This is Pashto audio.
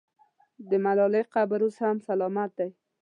د ملالۍ قبر اوس هم سلامت دی.